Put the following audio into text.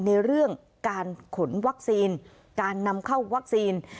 ในเรื่องการขนวัคซีนการนำเข้าวัคซีน